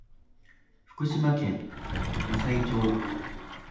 福島県矢祭町